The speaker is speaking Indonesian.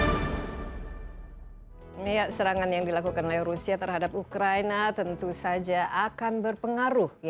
ini ya serangan yang dilakukan oleh rusia terhadap ukraina tentu saja akan berpengaruh